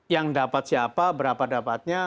yang dapat siapa berapa dapatnya